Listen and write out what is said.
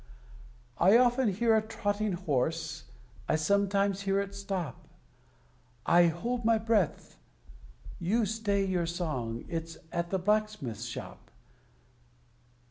I often hear a trotting horse, I sometimes hear it stop; I hold my breath you stay your song it's at the blacksmith's shop.